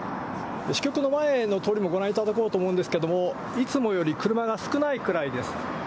支局の前の通りもご覧いただこうと思うんですけれども、いつもより車が少ないくらいです。